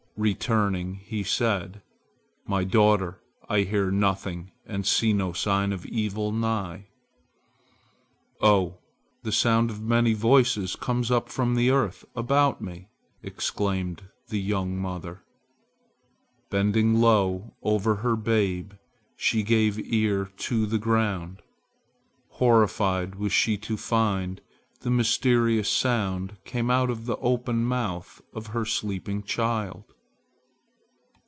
Returning he said: "My daughter, I hear nothing and see no sign of evil nigh." "Oh! the sound of many voices comes up from the earth about me!" exclaimed the young mother. Bending low over her babe she gave ear to the ground. Horrified was she to find the mysterious sound came out of the open mouth of her sleeping child!